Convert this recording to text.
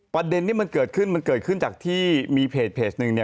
ประเด็นนี้เมื่อมีเพจนึงเนี่ย